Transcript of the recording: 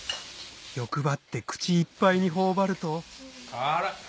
欲張って口いっぱいに頬張ると辛い！